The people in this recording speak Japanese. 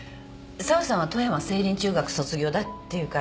沢さんは富山聖林中学卒業だっていうから。